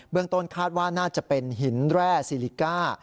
ต้นคาดว่าน่าจะเป็นหินแร่ซิลิก้า